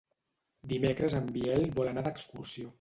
Dimecres en Biel vol anar d'excursió.